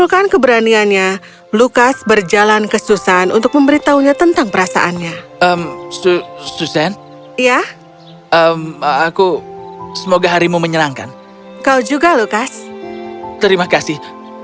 kerajaan yang sangat jauh